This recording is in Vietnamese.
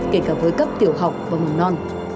tại cả với cấp tiểu học và mùng non